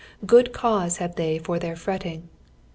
Good cause have they for their fretting.